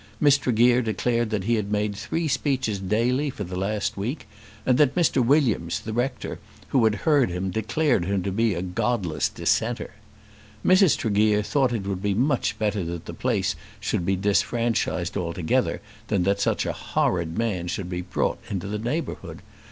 Miss Tregear declared that he had made three speeches daily for the last week, and that Mr. Williams the rector, who had heard him, declared him to be a godless dissenter. Mrs. Tregear thought that it would be much better that the place should be disfranchised altogether than that such a horrid man should be brought into the neighbourhood.